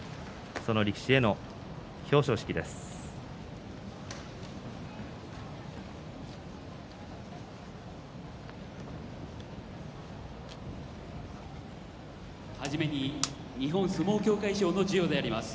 その力士への表彰式です。